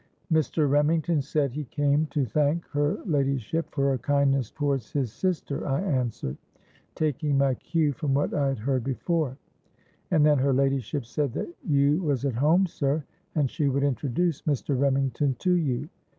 '—'Mr. Remington said he came to thank her ladyship for her kindness towards his sister,' I answered, taking my cue from what I had heard before; 'and then her ladyship said that you was at home, sir, and she would introduce Mr. Remington to you.'